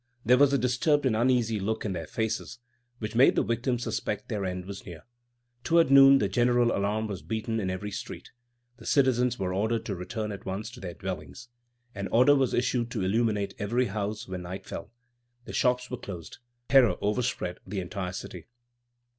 There was a disturbed and uneasy look in their faces which made the victims suspect their end was near. Toward noon the general alarm was beaten in every street. The citizens were ordered to return at once to their dwellings. An order was issued to illuminate every house when night fell. The shops were closed. Terror overspread the entire city.